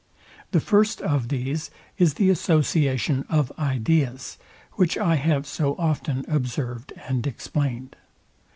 The first of these is the association of ideas, which I have so often observed and explained.